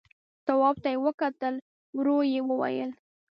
تواب ته يې وکتل، ورو يې وويل: